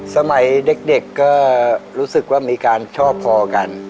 สมัยเด็กก็รู้สึกว่ามีการชอบพอกัน